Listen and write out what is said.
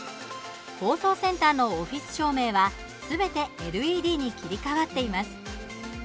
放送センターのオフィス照明はすべてＬＥＤに切り替わっています。